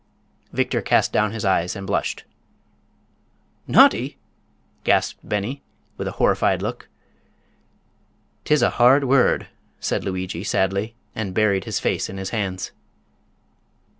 Victor cast down his eyes and blushed. "Naughty!" gasped Beni, with a horrified look. "'Tis a hard word," said Luigi, sadly, and buried his face in his hands.